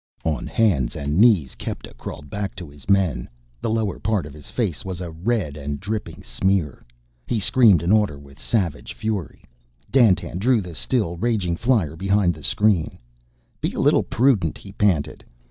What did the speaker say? On hands and knees Kepta crawled back to his men. The lower part of his face was a red and dripping smear. He screamed an order with savage fury. Dandtan drew the still raging flyer behind the screen. "Be a little prudent," he panted.